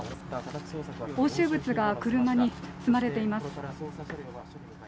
押収物が車に積まれています。